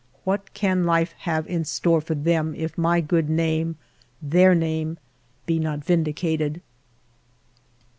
What can life have in store for them, if my good name, their name, be not vindicated